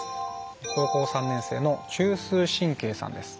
高校３年生の中枢神経さんです。